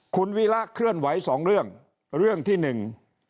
คุณวิระเคลื่อนไหวสองเรื่องเรื่องที่หนึ่ง